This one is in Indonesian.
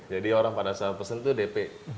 jadi orang pada saat pesen tuh dp